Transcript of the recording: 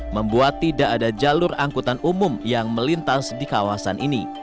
membuat tidak ada jalur angkutan umum yang melintas di kawasan ini